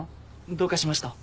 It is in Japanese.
どうかしました？